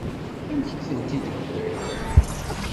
Amek i tent-id-tewwiḍ?